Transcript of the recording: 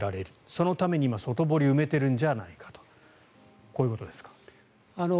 そのために今、外堀を埋めているんじゃないかとこういうことですか。